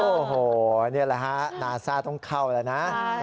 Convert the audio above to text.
โอ้โหนี่แหละฮะนาซ่าต้องเข้าแล้วนะ